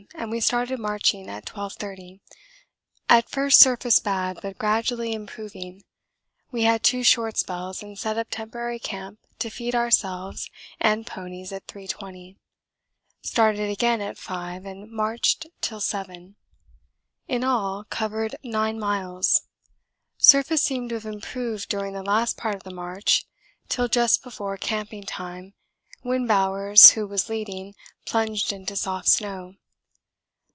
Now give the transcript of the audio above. and we started marching at 12.30. At first surface bad, but gradually improving. We had two short spells and set up temporary camp to feed ourselves and ponies at 3.20. Started again at 5 and marched till 7. In all covered 9 miles. Surface seemed to have improved during the last part of the march till just before camping time, when Bowers, who was leading, plunged into soft snow.